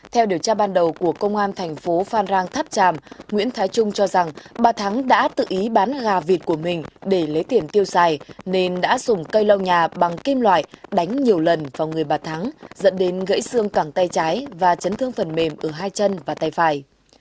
theo điều tra ban đầu của công an thành phố phan rang tháp tràm nguyễn thái trung cho rằng bà thắng đã tự ý bán gà vịt của mình để lấy tiền tiêu xài nên đã dùng cây lau nhà bằng kim loại đánh nhiều lần vào người bà thắng dẫn đến gãy xương cẳng tay trái và chấn thương phần mềm ở hai chân và tay phải